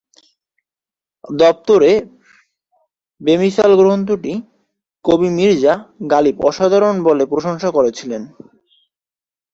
দফতর-এ-বেমিসাল গ্রন্থটি কবি মীর্জা গালিব অসাধারণ বলে প্রশংসা করেছিলেন।